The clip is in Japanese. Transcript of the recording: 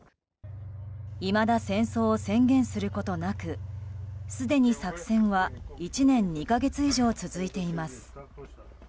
いまだ戦争を宣言することなくすでに作戦は１年２か月以上、続いています。